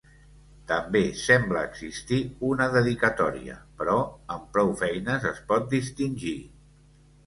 També sembla existir una dedicatòria, però amb prou feines es pot distingir.